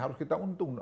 harus kita untung